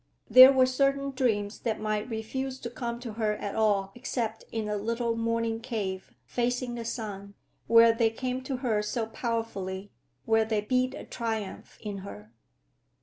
There were certain dreams that might refuse to come to her at all except in a little morning cave, facing the sun—where they came to her so powerfully, where they beat a triumph in her!